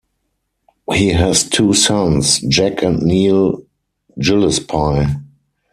He has two sons, Jack and Neal Gillespie.